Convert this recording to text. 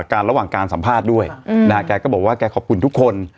ระหว่างการสัมภาษณ์ด้วยนะฮะแกก็บอกว่าแกขอบคุณทุกคน